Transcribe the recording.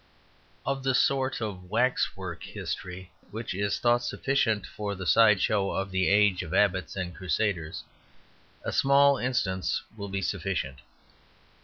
Of the sort of waxwork history which is thought sufficient for the side show of the age of abbots and crusaders, a small instance will be sufficient.